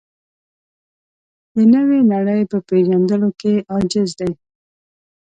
د نوې نړۍ په پېژندلو کې عاجز دی.